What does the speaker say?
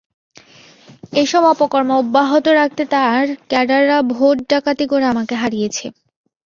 এসব অপকর্ম অব্যাহত রাখতে তাঁর ক্যাডাররা ভোট ডাকাতি করে আমাকে হারিয়েছে।